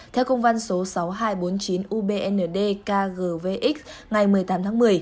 theo công văn số sáu nghìn hai trăm bốn mươi chín ubnd kgvnh